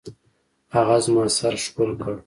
هغه زما سر ښکل کړ.